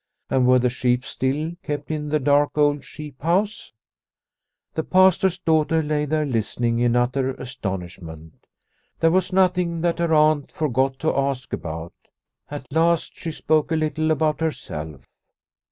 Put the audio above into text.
And were the sheep still kept in the dark old sheep house ? The Pastor's daughter lay there listening in utter astonishment. There was nothing that her aunt forgot to ask about. As last she spoke a little about herself.